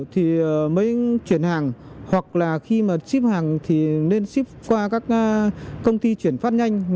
thì mới chuyển hàng hoặc là khi mà ship hàng thì nên ship qua các công ty chuyển phát nhanh